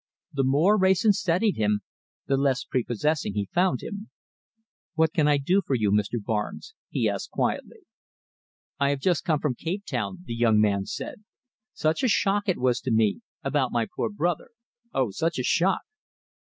The more Wrayson studied him, the less prepossessing he found him. "What can I do for you, Mr. Barnes?" he asked quietly. "I have just come from Cape Town," the young man said. "Such a shock it was to me about my poor brother! Oh! such a shock!"